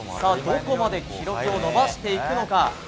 どこまで記録を伸ばしていくのか。